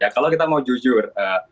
kalau kita mau jujur